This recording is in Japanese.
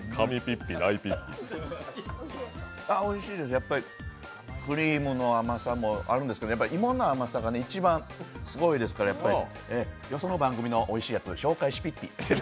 おいしいです、やっぱりクリームの甘さもありますしやっぱり芋の甘さが一番すごいですからよその番組のおいしいやつ紹介しぴっぴ。